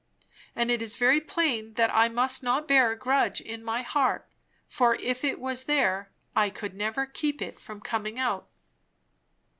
And it is very plain that I must not bear a grudge in my heart; for if it was there, I could never keep it from coming out.